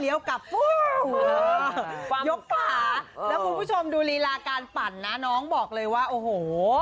ยกฝาแล้วคุณผู้ชมดูลีลาการปั่นนะน้องบอกเลยว่าโอ้โห